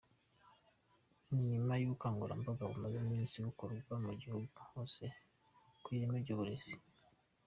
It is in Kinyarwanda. Ni nyuma y’ ubukangurambaga bumaze iminsi bukorwa mu gihugu hose ku ireme ry’ uburezi.